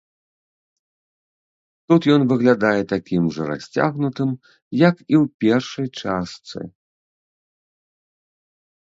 Тут ён выглядае такім жа расцягнутым, як і ў першай частцы.